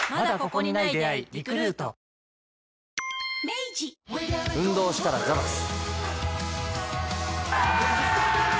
明治運動したらザバス。